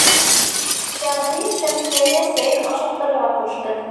Сәғди Шәмсиәгә сәйен ашыҡтырырға ҡушты.